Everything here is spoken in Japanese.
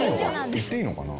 言っていいのかな。